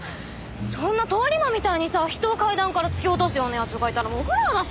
そんな通り魔みたいにさ人を階段から突き落とすような奴がいたらもうホラーだし。